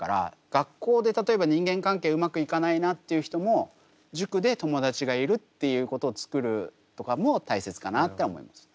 学校で例えば人間関係うまくいかないなっていう人も塾で友達がいるっていうことをつくるとかも大切かなって思いますね。